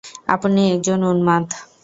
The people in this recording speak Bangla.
আপনি একজন উন্মাদ!